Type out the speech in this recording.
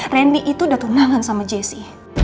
randy itu udah tunangan sama jessy